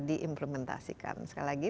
diimplementasikan sekali lagi